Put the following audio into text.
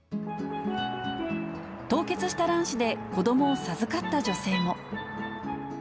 凍結した卵子で子どもを授かった女性も。